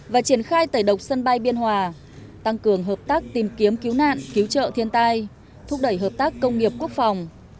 và triển khai tẩy độc sân bay biên hòa tăng cường hợp tác tìm kiếm cứu nạn cứu trợ thiên tai thúc đẩy hợp tác công nghiệp quốc phòng